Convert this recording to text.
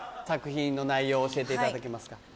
作品の内容を教えていただけますか？